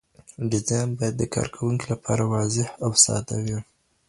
ډیزاین باید د کاروونکي لپاره واضح او ساده وي.